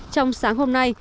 trong sáng hôm nay